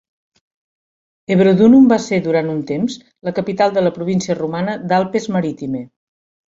Ebrodunum va ser, durant un temps, la capital de la província romana d'"Alpes Maritimae".